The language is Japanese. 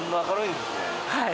はい。